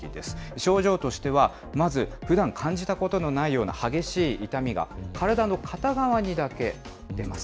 症状としては、まず、ふだん感じたことのないような激しい痛みが、体の片側にだけ出ます。